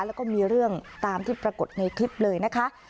แล้วก็มีเรื่องตามที่ปรากฏในคลิปเลยนะคะ